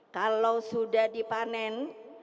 kalau sudah dipanen